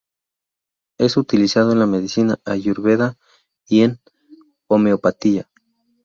Es utilizado en la medicina Ayurveda y en homeopatía.